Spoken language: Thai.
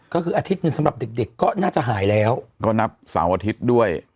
ก็คืออาทิตย์หนึ่งสำหรับเด็กเด็กก็น่าจะหายแล้วก็นับเสาร์อาทิตย์ด้วย